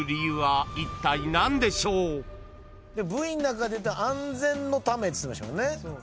Ｖの中安全のためっつってましたもんね。